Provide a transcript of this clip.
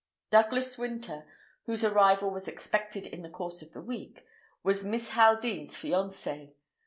Douglas Winter, whose arrival was expected in the course of the week, was Miss Haldean's fiancé.